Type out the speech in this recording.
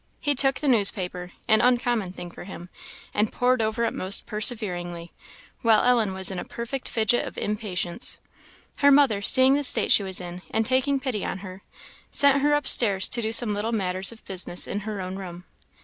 He took the newspaper, an uncommon thing for him, and pored over it most perseveringly, while Ellen was in a perfect fidget of impatience. Her mother, seeing the state she was in, and taking pity on her, sent her up stairs to do some little matters of business in her own room.